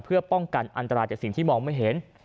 เพื่อป้องกันอันตรายจากสิ่งที่มองไม่เห็น